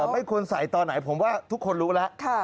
ไม่ควรใส่ตอนไหนผมว่าทุกคนรู้แล้ว